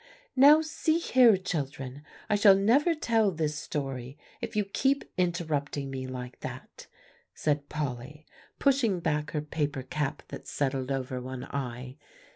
"Now, see here, children, I shall never tell this story if you keep interrupting me like that," said Polly, pushing back her paper cap that settled over one eye.